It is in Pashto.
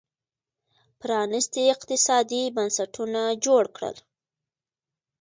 پرانېستي اقتصادي بنسټونه جوړ کړل